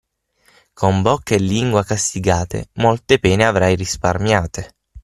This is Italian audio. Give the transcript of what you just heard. Con bocca e lingua castigate, molte pene avrai risparmiate.